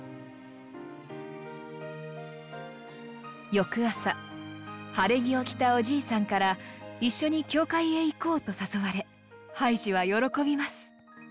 翌朝晴れ着を着たおじいさんから「一緒に教会へ行こう」と誘われハイジは喜びます。